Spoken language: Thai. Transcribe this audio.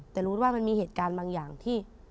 แต่รู้ว่ามันมีเหตุการณ์บางอย่างที่